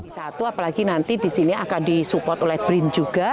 wisata apalagi nanti disini akan disupport oleh brin juga